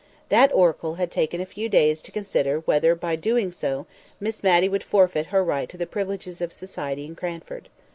That oracle had taken a few days to consider whether by so doing Miss Matty would forfeit her right to the privileges of society in Cranford.